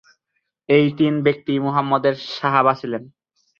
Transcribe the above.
এই তিন ব্যক্তিই মুহাম্মাদের সাহাবা ছিলেন।